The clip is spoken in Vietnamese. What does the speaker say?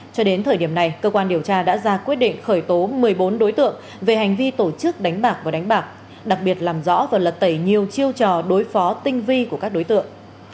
cho đến thời điểm này cơ quan điều tra đã ra quyết định khởi tố một mươi bốn đối tượng về hành vi tổ chức đánh bạc và đánh bạc đặc biệt làm rõ và lật tẩy nhiều chiêu trò đối phó tinh vi của các đối tượng